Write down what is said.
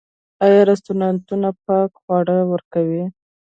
آیا رستورانتونه پاک خواړه ورکوي؟